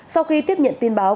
sau khi tiếp nhận tin báo